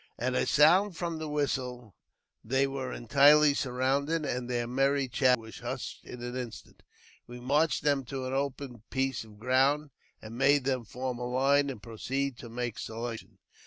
At a sound from the whistle, they were entire^ surrounded, and their merry chatter was hushed in an instani We marched them to an open piece of ground, made then form a line, and proceeded to make a selection.